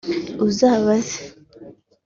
uzabaze